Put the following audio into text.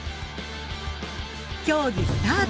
競技スタート！